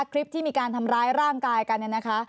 คลิปที่มีการทำร้ายร่างกายกันเนี่ยนะคะ